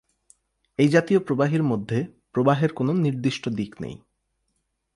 এই জাতীয় প্রবাহীর মধ্যে, প্রবাহের কোনও নির্দিষ্ট দিক নেই।